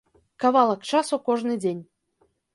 Кавалак часу кожны дзень.